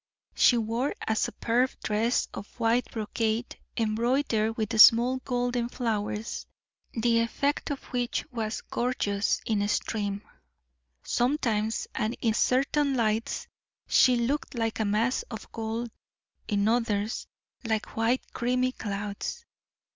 She wore a superb dress of white brocade, embroidered with small golden flowers, the effect of which was gorgeous in the extreme. Sometimes, and in certain lights, she looked like a mass of gold, in others, like white creamy clouds.